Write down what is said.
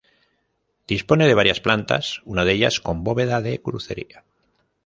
Dispone de varias plantas, una de ellas con bóveda de crucería.